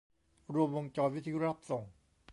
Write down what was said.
รวมวงจรวิทยุรับส่ง